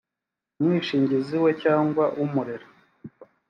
umwishingizi we cyangwa umurera